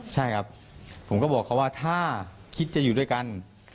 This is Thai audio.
ใช่ครับผมก็บอกเขาว่าถ้าคิดจะอยู่ด้วยกัน